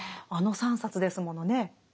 あの３冊ですものね。